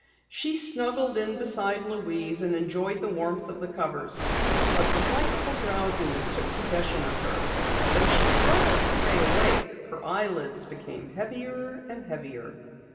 She snuggled in beside Louise and enjoyed the warmth of the covers. A delightful drowsiness took possession of her. Though she struggled to stay awake, her eyelids became heavier and heavier.